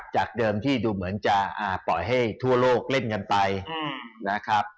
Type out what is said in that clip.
จากเดิมที่ดูเหมือนจะปล่อยให้ทั่วโลกเล่นกันไปนะครับ